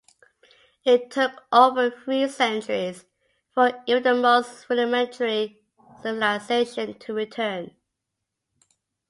It took over three centuries for even the most rudimentary civilization to return.